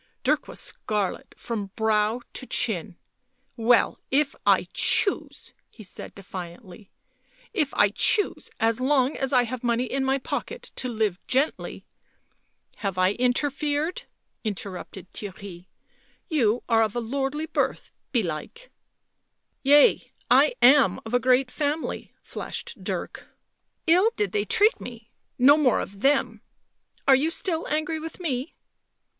Dirk was scarlet from brow to chin. " Well, if I choose," he said defiantly. " If I choose, as long as I have money in my pocket to live gently. ..." "Have I interfered?" interrupted Theory. "You are of a lordly birth, belike." " Yea, I am of a great family," flashed Dirk. "Ill did they treat me. No more of them ... are you still angry with me?"